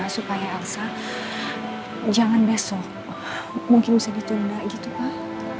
supaya elsa jangan besok mungkin bisa ditunda gitu pak